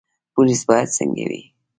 پولیس باید څنګه وي؟